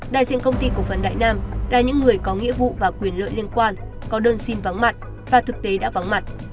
đại diện công ty cổ phần đại nam là những người có nghĩa vụ và quyền lợi liên quan có đơn xin vắng mặt và thực tế đã vắng mặt